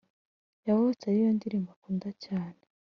Yavutse ariyo ndirimbo akunda cyane